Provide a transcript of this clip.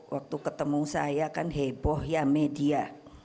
waktu ketemu saya kan heboh ya media